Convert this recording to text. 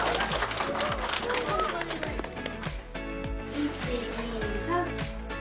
１、２、３。